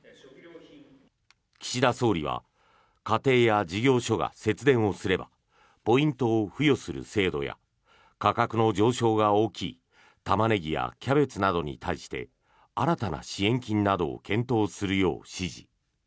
岸田総理は家庭や事業所が節電をすればポイントを付与する制度や価格の上昇が大きいタマネギやキャベツなどに対して新たな支援金を検討するよう指示。